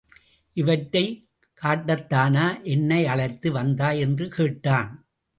இவற்றைக் காட்டத்தானா என்னை அழைத்து வந்தாய்? என்று கேட்டான்.